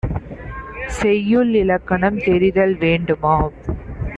செய்யுள் இலக்கணம் தெரிதல் வேண்டுமாம்!